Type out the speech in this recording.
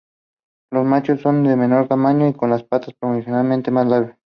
Los machos son de menor tamaño y con las patas proporcionalmente más largas.